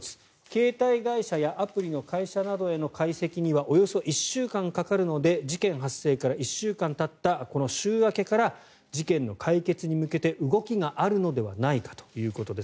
携帯会社やアプリの会社などの解析にはおよそ１週間かかるので事件発生から１週間たったこの週明けから事件の解決に向けて動きがあるのではないかということです。